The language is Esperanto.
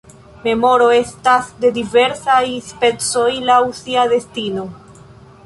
Memoro estas de diversaj specoj laŭ sia destino.